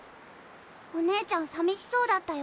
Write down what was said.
おねえちゃんさみしそうだったよ。